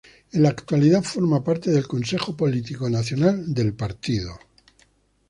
En la actualidad, forma parte del Consejo Político Nacional del partido.